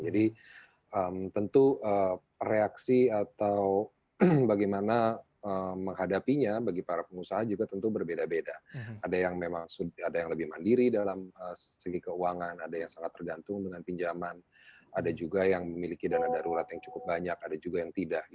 jadi tentu reaksi atau bagaimana menghadapinya bagi para pengusaha juga tentu berbeda beda ada yang memang ada yang lebih mandiri dalam segi keuangan ada yang sangat tergantung dengan pinjaman ada juga yang memiliki dana darurat yang cukup banyak ada juga yang tidak